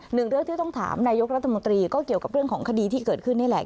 หนึ่งเรื่องที่ต้องถามนายกรัฐมนตรีก็เกี่ยวกับเรื่องของคดีที่เกิดขึ้นนี่แหละ